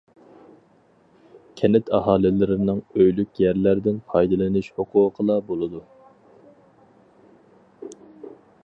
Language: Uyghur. كەنت ئاھالىلىرىنىڭ ئۆيلۈك يەرلەردىن پايدىلىنىش ھوقۇقىلا بولىدۇ.